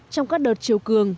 trong các đợt triều cường